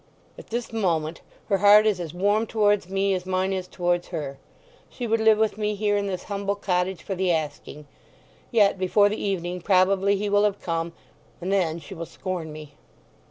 "At this moment her heart is as warm towards me as mine is towards her, she would live with me here in this humble cottage for the asking! Yet before the evening probably he will have come, and then she will scorn me!"